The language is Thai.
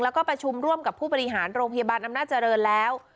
แล้วก็ประชุมร่วมกับผู้บริหารโรงพยาบาลอำนาจเจริญแล้ว